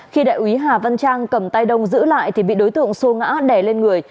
khi đại úy hà văn trang cầm tay đông giữ lại thì bị đối tượng xô ngã đè lên người